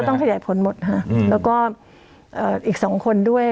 ค่ะก็ต้องขยายผลหมดฮะอืมแล้วก็เอ่ออีกสองคนด้วย